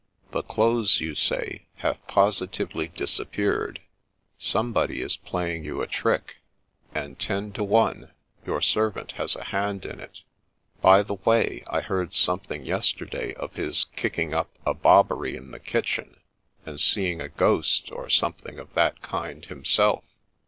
The clothes, you say, have positively disappeared. Somebody is playing you a trick ; and, ten to one, your servant has a hand in it. By the way, I heard something yesterday of his kicking up a bobbery in the kitchen, and seeing a ghost, or something of that kind, himself.